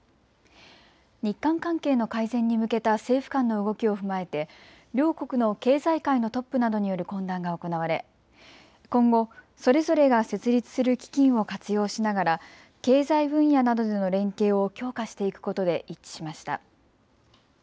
日韓関係の改善に向けた政府間の動きを踏まえて両国の経済界のトップなどによる懇談が行われ今後それぞれが設立する基金を活用しながら経済分野などでの連携を強化していくことで一致しました。